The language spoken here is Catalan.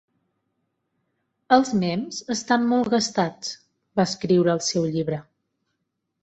"Els mems estan molt gastats" va escriure al seu llibre.